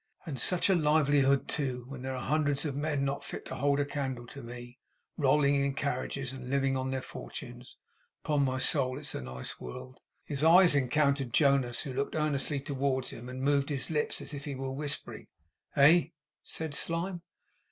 'And such a livelihood too! When there are hundreds of men, not fit to hold a candle to me, rolling in carriages and living on their fortunes. Upon my soul it's a nice world!' His eyes encountered Jonas, who looked earnestly towards him, and moved his lips as if he were whispering. 'Eh?' said Slyme.